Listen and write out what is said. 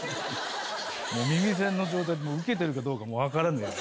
もう耳栓の状態でウケてるかどうかもわからねえぜ。